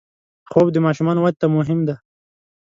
خوب د ماشومانو وده ته مهم دی